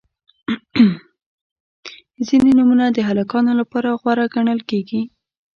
• ځینې نومونه د هلکانو لپاره غوره ګڼل کیږي.